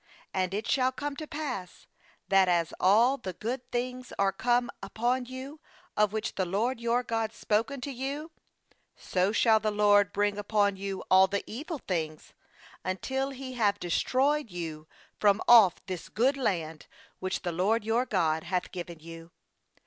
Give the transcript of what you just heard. "And it shall come to pass, that as all the good things are come upon you of which the LORD your God spoke unto you, so shall the LORD bring upon you all the evil things, until He have destroyed you from off this good land which the LORD your God hath given you.